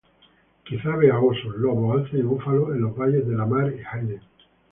Quizá vea osos, lobos, alces y búfalos en los valles de Lamar y Hayden.